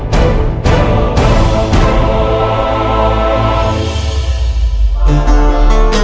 tidak bisa mengenalinya